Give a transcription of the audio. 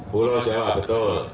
pulau jawa betul